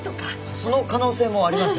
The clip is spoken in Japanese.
その可能性もあります。